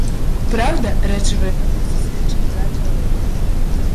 Праўда, рэчавыя доказы сведчаць пра адваротнае.